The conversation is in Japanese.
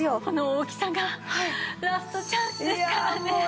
この大きさがラストチャンスですからね。